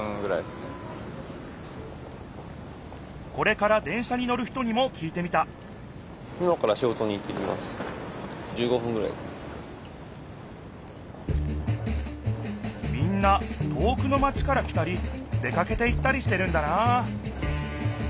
これから電車に乗る人にもきいてみたみんな遠くのマチから来たり出かけていったりしてるんだな